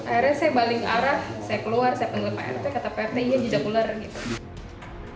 akhirnya saya baling arah saya keluar saya penggulung prt kata prt iya jejak ular gitu